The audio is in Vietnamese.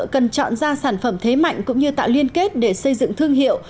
cần chọn ra sản phẩm thế mạnh cũng như tạo liên kết để xây dựng thương hiệu